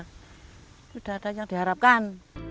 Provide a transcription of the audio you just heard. sudah ada yang diharapkan